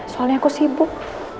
soalnya aku sibuk